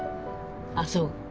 「あっそう。